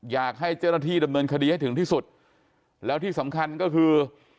อยากให้เจ้าหน้าที่ดำเนินคดีให้ถึงที่สุดแล้วที่สำคัญก็คือ